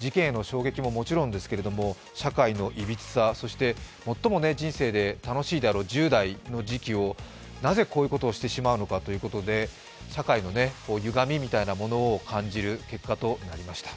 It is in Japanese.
事件への衝撃ももちろんですけれども、社会のいびつさ、最も人生で楽しい時期であろう１０代になぜこういうことをしてしまうのかということで社会のゆがみみたいなものを感じる結果となりました。